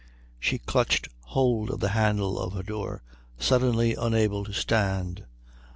She clutched hold of the handle of her door, suddenly unable to stand.